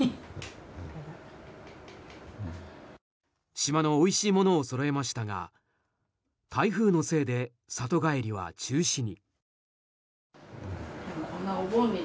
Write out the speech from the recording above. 島のおいしいものをそろえましたが台風のせいで里帰りは中止に。